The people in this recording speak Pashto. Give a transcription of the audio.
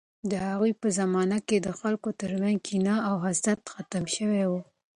د هغوی په زمانه کې د خلکو ترمنځ کینه او حسد ختم شوی و.